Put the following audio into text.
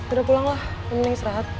udah pulang lah penuh istirahat